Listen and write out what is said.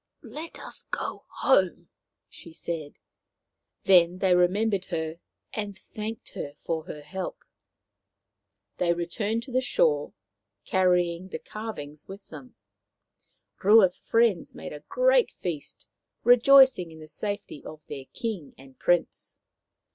" Let us go home/' she said. Then they remem bered her and thanked her for her help. They returned to the shore, carrying the carv ings with them. Rua's friends made a great feast, rejoicing in the safety of their King and Prince.